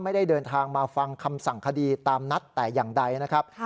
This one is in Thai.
ไม่ได้เดินทางมาฟังคำสั่งคดีตามนัดแต่อย่างใดนะครับ